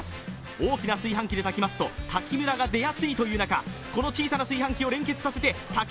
大きな炊飯器で炊きますと炊きむらが出やすいのでこの小さな炊飯器を連結させて炊き